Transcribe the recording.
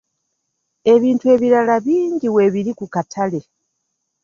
Ebintu ebirala bingi weebiri ku katale